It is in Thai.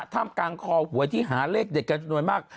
ทำใกล้งคอหวยที่หาเลขเด็กข่ายโนยดมาก